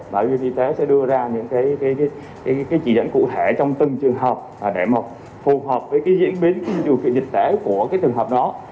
bởi vì y tế sẽ đưa ra những cái chỉ dẫn cụ thể trong từng trường học để phù hợp với cái diễn biến dịch tễ của cái trường học đó